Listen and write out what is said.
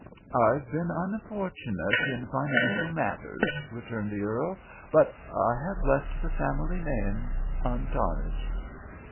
"I've been unfortunate in financial matters," returned the earl; "but I have left the family name untarnished."